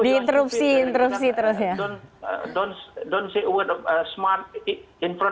iya di interupsi interupsi terus ya